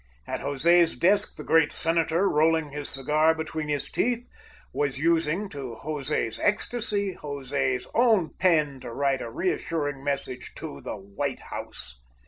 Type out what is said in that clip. At José's desk the great senator, rolling his cigar between his teeth, was using, to José's ecstasy, José's own pen to write a reassuring message to the White House.